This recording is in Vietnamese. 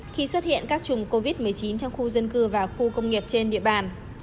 khi xuất hiện các chùm covid một mươi chín trong khu dân cư và khu công nghiệp trên địa bàn